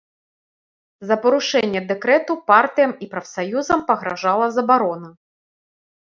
За парушэнне дэкрэту партыям і прафсаюзам пагражала забарона.